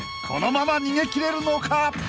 ［このまま逃げ切れるのか？］